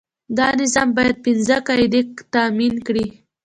دا نظام باید پنځه قاعدې تامین کړي.